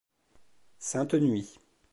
Sainte nuit.